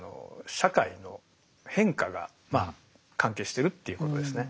社会の変化がまあ関係してるっていうことですね。